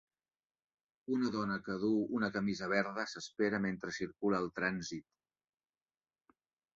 Una dona que duu una camisa verda s'espera mentre circula el trànsit